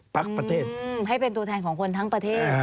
ประเทศให้เป็นตัวแทนของคนทั้งประเทศ